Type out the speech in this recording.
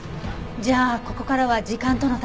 じゃあここからは時間との闘い。